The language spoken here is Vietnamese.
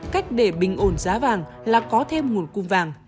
cách để bình ổn giá vàng là có thêm nguồn cung vàng